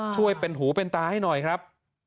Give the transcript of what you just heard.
ช่วยเป็นหูเป็นตาให้หน่อยครับ